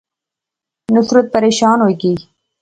نصرت پریشان ہوئی گئی